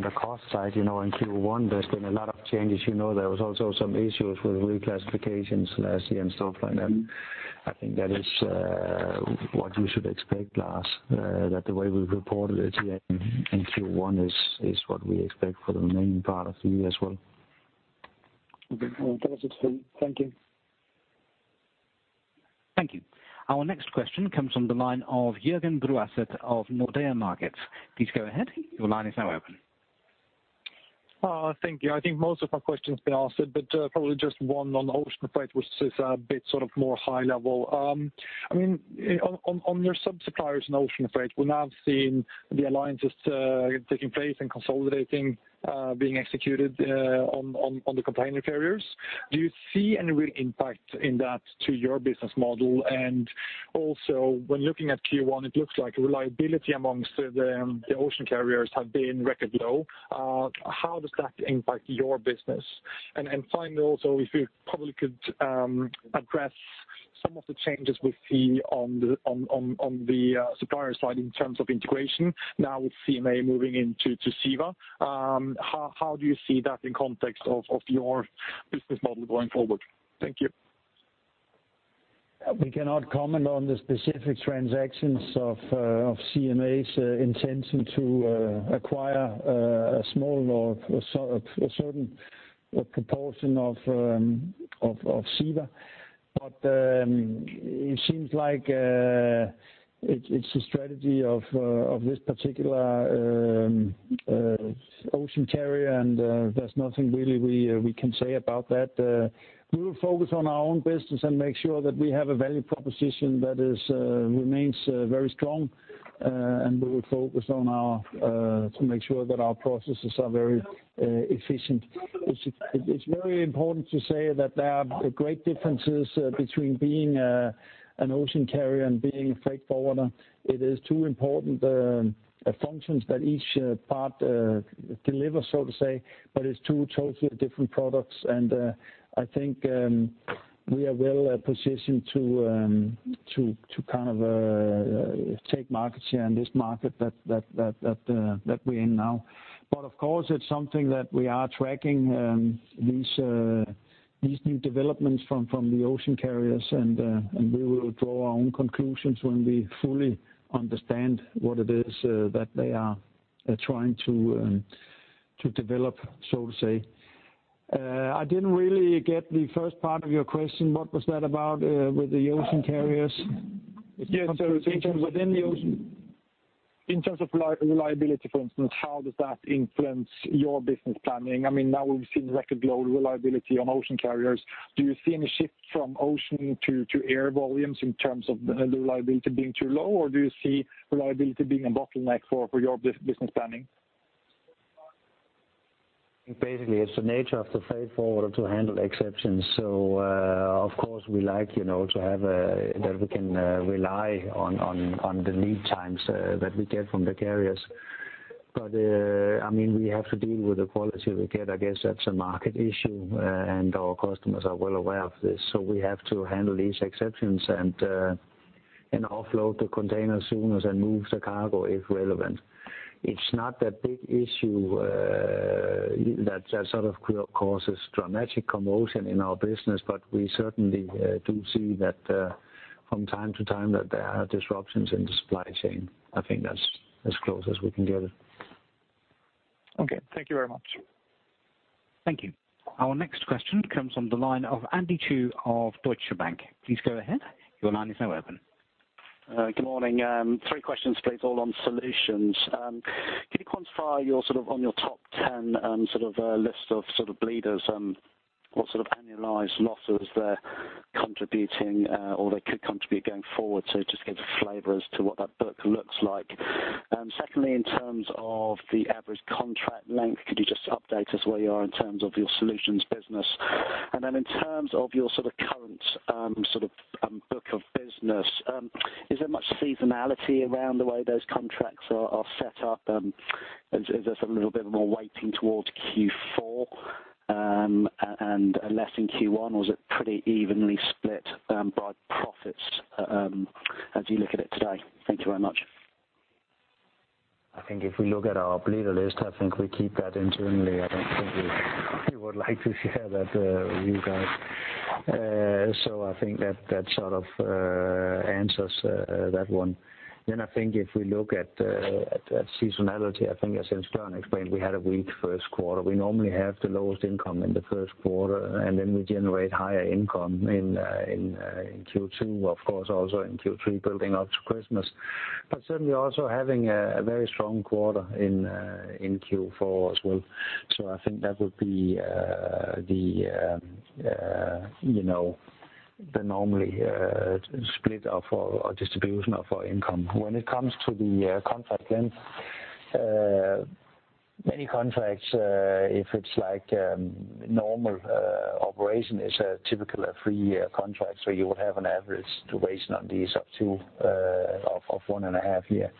the cost side in Q1, there's been a lot of changes. There was also some issues with reclassifications last year and stuff like that. I think that is what you should expect, Lars, that the way we've reported it here in Q1 is what we expect for the remaining part of the year as well. Okay. Fantastic. Thank you. Thank you. Our next question comes from the line of Jørgen Bruaset of Nordea Markets. Please go ahead. Your line is now open. Thank you. I think most of my question's been answered, but probably just one on ocean freight, which is a bit more high level. On your sub-suppliers and ocean freight, we're now seeing the alliances taking place and consolidating, being executed on the container carriers. Do you see any real impact in that to your business model? Also when looking at Q1, it looks like reliability amongst the ocean carriers have been record low. How does that impact your business? Finally, also, if you probably could address some of the changes we see on the supplier side in terms of integration now with CMA moving into CEVA. How do you see that in context of your business model going forward? Thank you. We cannot comment on the specific transactions of CMA's intention to acquire a small or a certain proportion of CEVA. It seems like it's a strategy of this particular ocean carrier, and there's nothing really we can say about that. We will focus on our own business and make sure that we have a value proposition that remains very strong, and we will focus to make sure that our processes are very efficient. It's very important to say that there are great differences between being an ocean carrier and being a freight forwarder. It is two important functions that each part delivers, so to say, but it's two totally different products, and I think we are well positioned to take market share in this market that we're in now. Of course, it's something that we are tracking, these new developments from the ocean carriers, and we will draw our own conclusions when we fully understand what it is that they are trying to develop, so to say. I didn't really get the first part of your question. What was that about with the ocean carriers? Yes. In terms of reliability, for instance, how does that influence your business planning? Now we've seen record low reliability on ocean carriers. Do you see any shift from ocean to air volumes in terms of the reliability being too low, or do you see reliability being a bottleneck for your business planning? Basically, it's the nature of the freight forwarder to handle exceptions. Of course we like to have that we can rely on the lead times that we get from the carriers. We have to deal with the quality we get, I guess that's a market issue, and our customers are well aware of this. We have to handle these exceptions and offload the container as soon as I move the cargo, if relevant. It's not that big issue that sort of causes dramatic commotion in our business. We certainly do see that from time to time, that there are disruptions in the supply chain. I think that's as close as we can get it. Okay. Thank you very much. Thank you. Our next question comes from the line of Andy Chu of Deutsche Bank. Please go ahead. Your line is now open. Good morning. Three questions please, all on Solutions. Can you quantify your sort of on your top 10 list of bleeders and what sort of annualized losses they're contributing or they could contribute going forward to just give a flavor as to what that book looks like. Secondly, in terms of the average contract length, could you just update us where you are in terms of your Solutions business? In terms of your sort of current book of business, is there much seasonality around the way those contracts are set up? Is there a little bit more weighting towards Q4, and less in Q1, or is it pretty evenly split by profits, as you look at it today? Thank you very much. I think if we look at our bleeder list, I think we keep that internally. I don't think we would like to share that with you guys. I think that sort of answers that one. I think if we look at seasonality, I think as Bjørn explained, we had a weak first quarter. We normally have the lowest income in the first quarter, we generate higher income in Q2, of course, also in Q3 building up to Christmas. Certainly also having a very strong quarter in Q4 as well. I think that would be the normal split of our distribution of our income. When it comes to the contract length, many contracts, if it's like normal operation, is typically a three-year contract. You would have an average duration on these of one and a half year.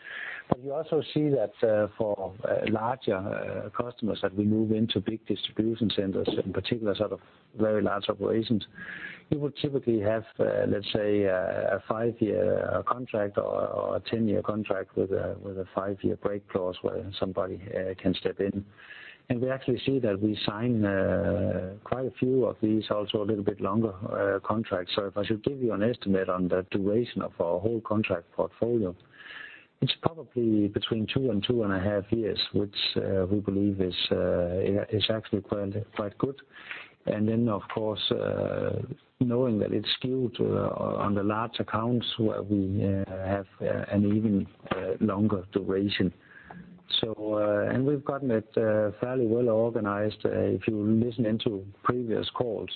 You also see that for larger customers, that we move into big distribution centers in particular, sort of very large operations. You would typically have, let's say, a five-year contract or a 10-year contract with a five-year break clause where somebody can step in. We actually see that we sign quite a few of these, also a little bit longer contracts. If I should give you an estimate on the duration of our whole contract portfolio, it's probably between two and two and a half years, which we believe is actually quite good. Of course, knowing that it's skewed on the large accounts where we have an even longer duration. We've gotten it fairly well organized. If you listen into previous calls,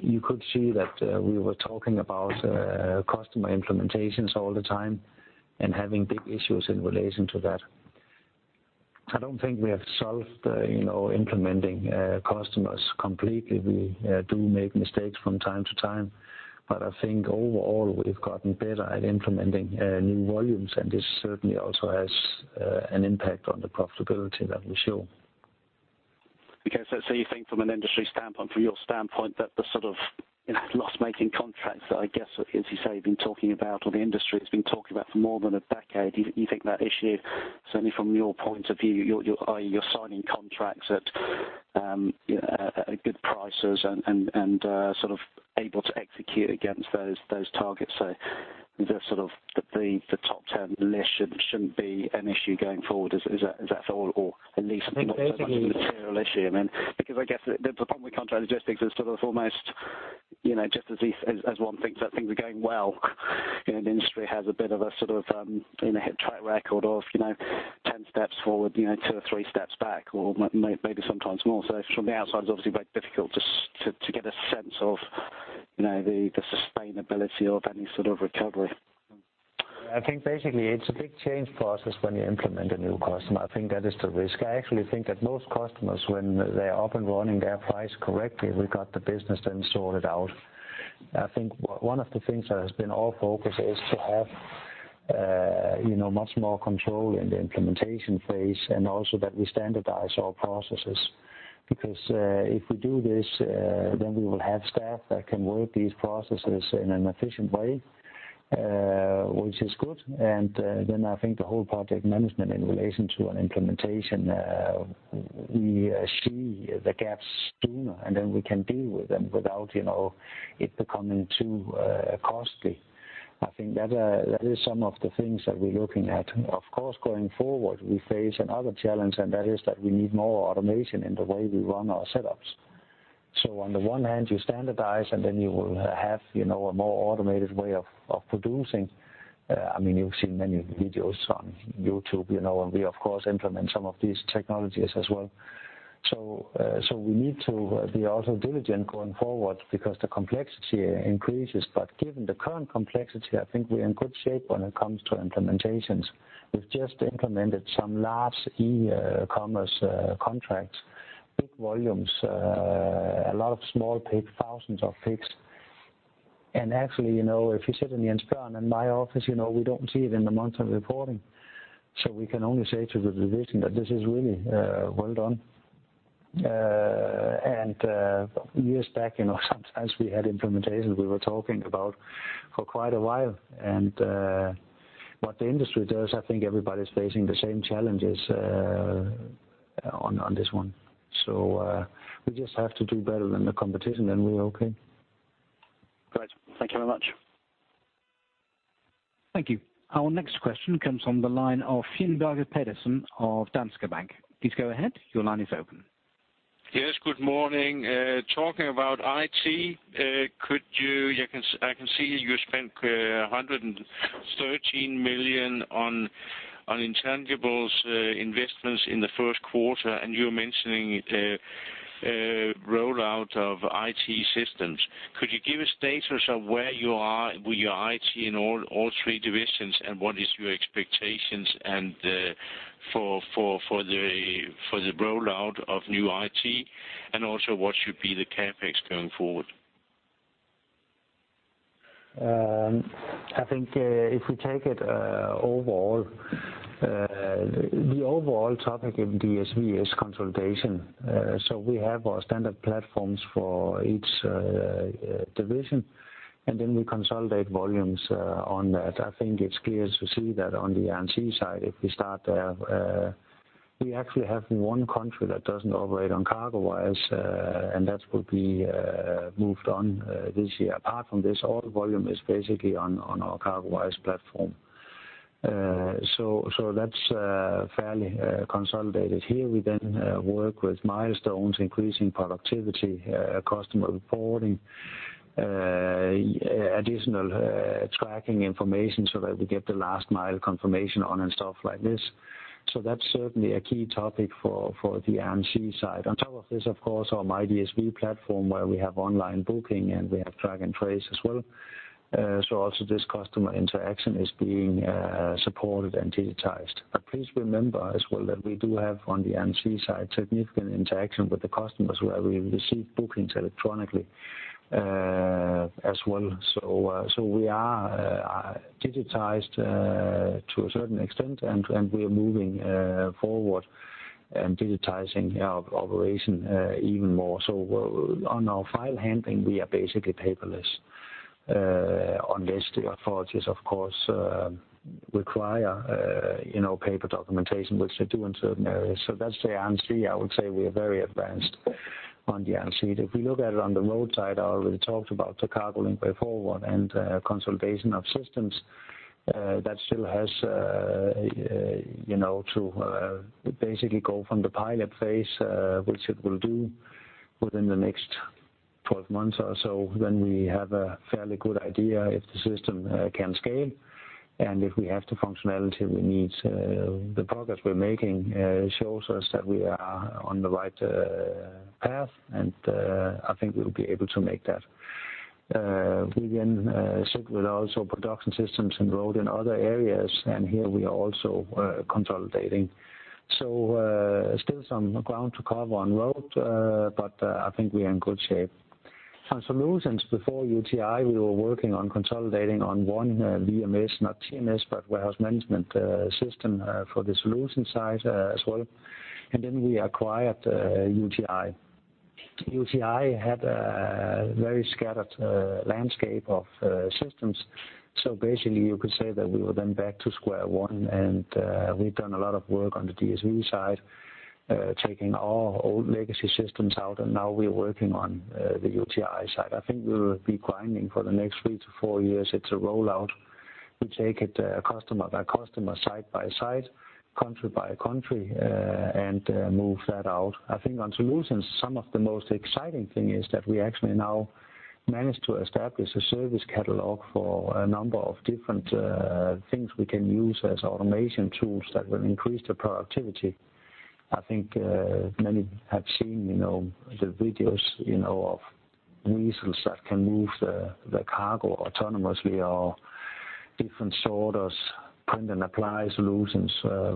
you could see that we were talking about customer implementations all the time and having big issues in relation to that. I don't think we have solved implementing customers completely. We do make mistakes from time to time. I think overall we've gotten better at implementing new volumes, and this certainly also has an impact on the profitability that we show. You think from an industry standpoint, from your standpoint, that the sort of loss-making contracts that I guess, as you say, you've been talking about, or the industry has been talking about for more than a decade, you think that issue, certainly from your point of view, you're signing contracts at good prices and sort of able to execute against those targets. The sort of top 10 list shouldn't be an issue going forward. Is that fair? Or at least not so much of a material issue. I think basically- I guess the problem with contract logistics is sort of almost, just as one thinks that things are going well, the industry has a bit of a sort of hit track record of 10 steps forward, two or three steps back, or maybe sometimes more. From the outside it's obviously quite difficult just to get a sense of the sustainability of any sort of recovery. I think basically it's a big change process when you implement a new customer. I think that is the risk. I actually think that most customers, when they are up and running, they apply correctly. We got the business then sorted out. I think one of the things that has been our focus is to have much more control in the implementation phase and also that we standardize our processes. If we do this, then we will have staff that can work these processes in an efficient way, which is good, and then I think the whole project management in relation to an implementation, we see the gaps sooner, and then we can deal with them without it becoming too costly. I think that is some of the things that we're looking at. Of course, going forward, we face another challenge, and that is that we need more automation in the way we run our setups. On the one hand, you standardize and then you will have a more automated way of producing. You've seen many videos on YouTube, we of course implement some of these technologies as well. We need to be also diligent going forward because the complexity increases. Given the current complexity, I think we're in good shape when it comes to implementations. We've just implemented some large e-commerce contracts, big volumes, a lot of small pick, thousands of picks. Actually, if you sit in my office, we don't see it in the monthly reporting, so we can only say to the division that this is really well done. Years back, sometimes we had implementations we were talking about for quite a while. What the industry does, I think everybody's facing the same challenges on this one. We just have to do better than the competition, and we're okay. Great. Thank you very much. Thank you. Our next question comes from the line of Finn Bjarke Pedersen of Danske Bank. Please go ahead. Your line is open. Yes, good morning. Talking about IT, I can see you spent 113 million on intangibles investments in the first quarter, and you're mentioning rollout of IT systems. Could you give a status of where you are with your IT in all three divisions and what is your expectations for the rollout of new IT, and also what should be the CapEx going forward? I think if we take it overall, the overall topic in DSV is consolidation. We have our standard platforms for each division, and then we consolidate volumes on that. I think it's clear to see that on the Air & Sea side, if we start there, we actually have one country that doesn't operate on CargoWise, and that will be moved on this year. Apart from this, all volume is basically on our CargoWise platform. That's fairly consolidated. Here, we then work with milestones, increasing productivity, customer reporting, additional tracking information so that we get the last mile confirmation on and stuff like this. That's certainly a key topic for the Air & Sea side. On top of this, of course, our myDSV platform where we have online booking, and we have track and trace as well. Also this customer interaction is being supported and digitized. Please remember as well that we do have on the Air & Sea side, significant interaction with the customers where we receive bookings electronically as well. We are digitized to a certain extent, and we are moving forward and digitizing our operation even more. On our file handling, we are basically paperless, unless the authorities, of course, require paper documentation, which they do in certain areas. That's the Air & Sea. I would say we are very advanced on the Air & Sea. If we look at it on the Road side, I already talked about the CargoLink Way Forward and consolidation of systems. That still has to basically go from the pilot phase, which it will do within the next 12 months or so. We have a fairly good idea if the system can scale and if we have the functionality we need. The progress we're making shows us that we are on the right path, and I think we'll be able to make that. We sit with also production systems enrolled in other areas, and here we are also consolidating. Still some ground to cover on Road, but I think we are in good shape. On Solutions, before UTi, we were working on consolidating on one WMS, not TMS, but warehouse management system for the Solutions side as well. We acquired UTi. UTi had a very scattered landscape of systems. Basically, you could say that we were then back to square one, and we've done a lot of work on the DSV side, taking all old legacy systems out, and now we're working on the UTi side. I think we will be grinding for the next three to four years. It's a rollout. We take it customer by customer, site by site, country by country, and move that out. I think on Solutions, some of the most exciting thing is that we actually now managed to establish a service catalog for a number of different things we can use as automation tools that will increase the productivity. I think many have seen the videos of weasels that can move the cargo autonomously or different sorters, print and apply solutions,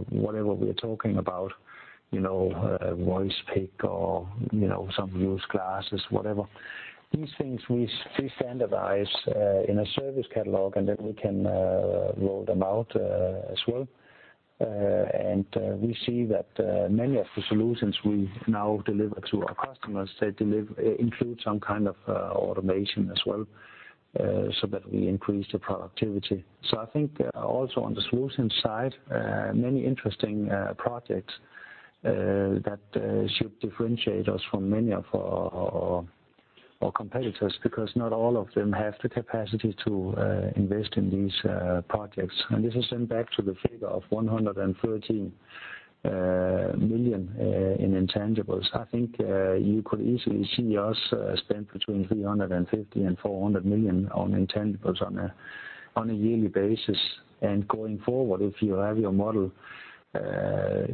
whatever we are talking about, voice pick or some use glasses, whatever. These things we standardize in a service catalog, and then we can roll them out as well. We see that many of the Solutions we now deliver to our customers, they include some kind of automation as well, so that we increase the productivity. I think also on the Solutions side, many interesting projects. That should differentiate us from many of our competitors, because not all of them have the capacity to invest in these projects. This is then back to the figure of 113 million in intangibles. I think you could easily see us spend between 350 million and 400 million on intangibles on a yearly basis. Going forward, if you have your model,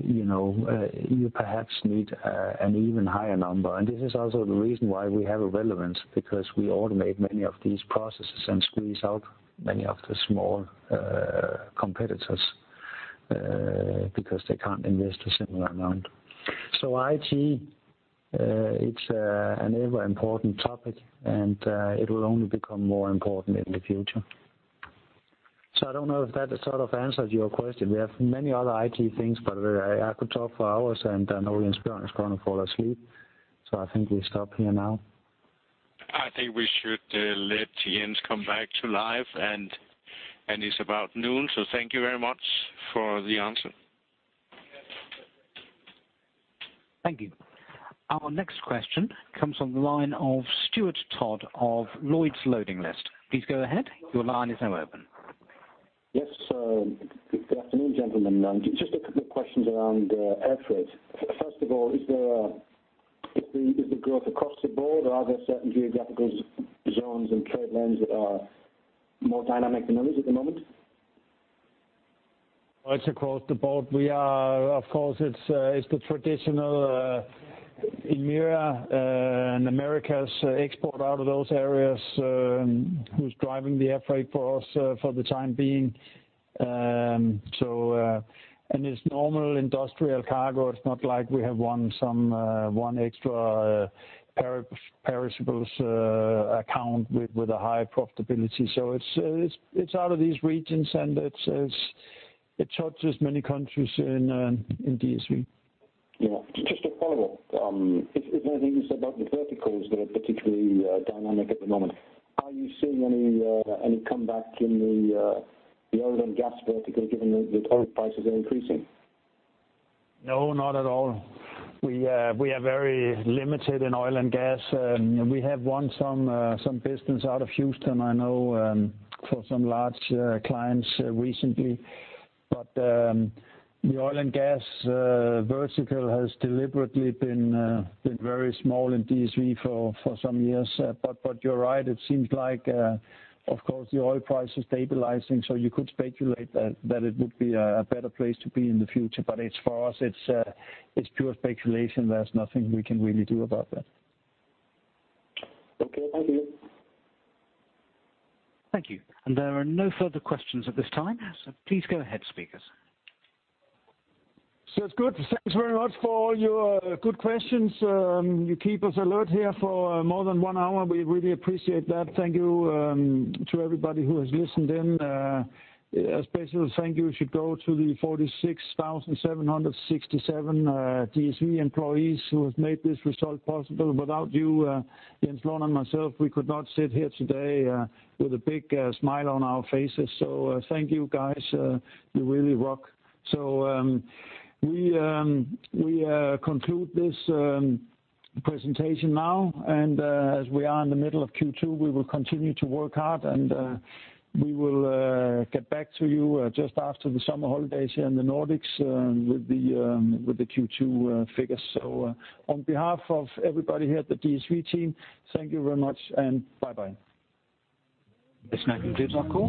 you perhaps need an even higher number. This is also the reason why we have a relevance, because we automate many of these processes and squeeze out many of the small competitors, because they can't invest a similar amount. IT, it's an ever important topic, and it will only become more important in the future. I don't know if that sort of answers your question. We have many other IT things, by the way, I could talk for hours, and I know Jens Bjørn is going to fall asleep, I think we stop here now. I think we should let Jens come back to life and, it's about noon. Thank you very much for the answer. Thank you. Our next question comes from the line of Stuart Todd of Lloyd's Loading List. Please go ahead. Your line is now open. Yes, good afternoon, gentlemen. Just a couple of questions around air freight. First of all, is the growth across the board, or are there certain geographical zones and trade lanes that are more dynamic than others at the moment? It's across the board. We are, of course, it's the traditional EMEA and Americas export out of those areas, who's driving the air freight for us for the time being. It's normal industrial cargo. It's not like we have won some one extra perishables account with a high profitability. It's out of these regions and it touches many countries in DSV. Yeah. Just a follow-up. Is there anything you said about the verticals that are particularly dynamic at the moment? Are you seeing any comeback in the oil and gas vertical, given that oil prices are increasing? No, not at all. We are very limited in oil and gas. We have won some business out of Houston, I know for some large clients recently. The oil and gas vertical has deliberately been very small in DSV for some years. You're right, it seems like, of course, the oil price is stabilizing, you could speculate that it would be a better place to be in the future. As far as, it's pure speculation, there's nothing we can really do about that. Okay. Thank you. Thank you. There are no further questions at this time, please go ahead, speakers. It's good. Thanks very much for all your good questions. You keep us alert here for more than one hour. We really appreciate that. Thank you to everybody who has listened in. A special thank you should go to the 46,767 DSV employees who have made this result possible. Without you, Jens, Lauren, and myself, we could not sit here today with a big smile on our faces. Thank you, guys. You really rock. We conclude this presentation now, as we are in the middle of Q2, we will continue to work hard, we will get back to you just after the summer holidays here in the Nordics with the Q2 figures. On behalf of everybody here at the DSV team, thank you very much and bye-bye. Yes, thank you. Of course.